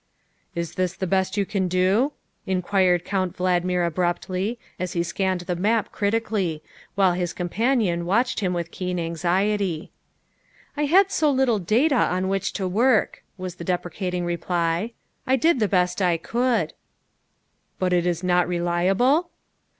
'' Is this the best you can do ?" inquired Count Vald mir abruptly as he scanned the map critically, while his companion watched him with keen anxiety. " I had so little data on which to work," was the de precating reply; " I did the best I could." " But it is not reliable?"